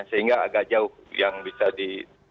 sehingga agak jauh yang bisa di